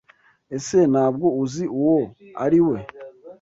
Ese Ntabwo uzi uwo ari we?